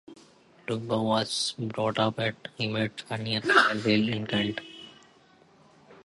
Lubbock was brought up at Emmetts near Ide Hill in Kent.